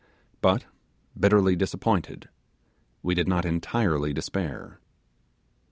But, bitterly disappointed, we did not entirely despair.